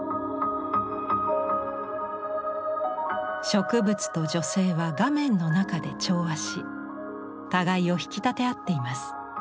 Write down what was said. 植物と女性は画面の中で調和し互いを引き立て合っています。